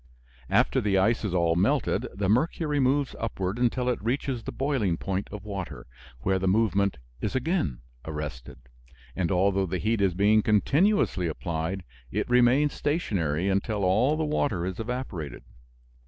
After the ice is all melted the mercury moves upward until it reaches the boiling point of water, where the movement is again arrested, and although the heat is being continuously applied, it remains stationary until all the water is evaporated.